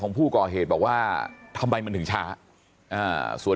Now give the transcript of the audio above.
บอกแล้วบอกแล้วบอกแล้วบอกแล้วบอกแล้ว